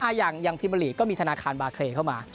ยุคหลักอย่างพิมพลีก็มีธนาคารบาเคเข้ามา